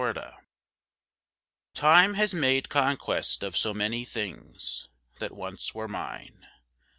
TIME'S DEFEAT Time has made conquest of so many things That once were mine.